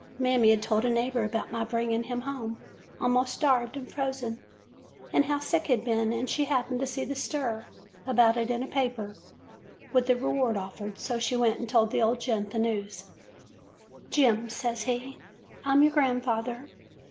Mammy 'd told a neighbor about my bringing of him home a'most starved and frozen, and how sick he 'd been, and she happened to see the stir about it in a paper, with a reward offered, so she went and told the old gent the news. " 'Jem,' says he, T 'm your grandfather.